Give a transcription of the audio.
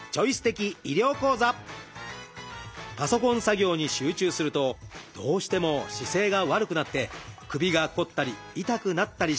パソコン作業に集中するとどうしても姿勢が悪くなって首が凝ったり痛くなったりしますよね。